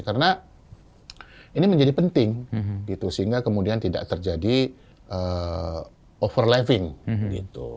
karena ini menjadi penting gitu sehingga kemudian tidak terjadi over living gitu